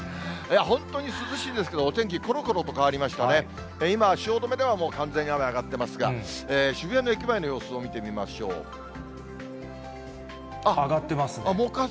本当に涼しいんですけれども、お天気、ころころと変わりましたね、今、汐留ではもう完全に雨上がってますが、渋谷の駅前の様子を見てみ上がってますね。